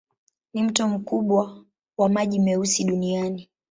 Ni mto mkubwa wa maji meusi duniani.